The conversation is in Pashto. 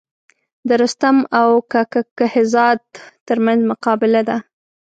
د رستم او کک کهزاد تر منځ مقابله ده.